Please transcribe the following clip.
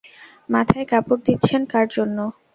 মাথায় কাপড় দিচ্ছেন কার জন্য?